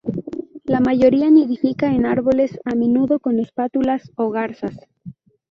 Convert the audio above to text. La mayoría nidifica en árboles, a menudo con espátulas o garzas.